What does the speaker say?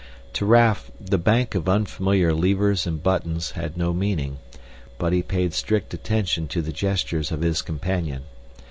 To Raf the bank of unfamiliar levers and buttons had no meaning, but he paid strict attention to the gestures of his companion.